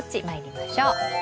まいりましょう。